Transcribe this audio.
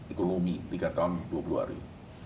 ekonomi tiga tahun dua puluh hari